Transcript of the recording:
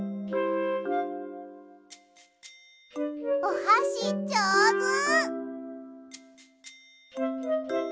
おはしじょうず！